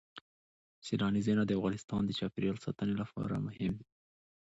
سیلاني ځایونه د افغانستان د چاپیریال ساتنې لپاره مهم دي.